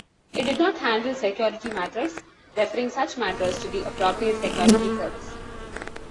It did not handle security matters, referring such matters to the appropriate security service.